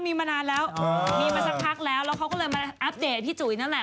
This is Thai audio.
มีมาสักพักแล้วแล้วเขาก็เลยมาอัปเดทไอพี่จุ๋ย์นั่นแหละ